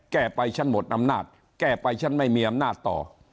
แก้ไปฉันหมดอำนาจแก้ไปฉันไม่มีอำนาจต่อ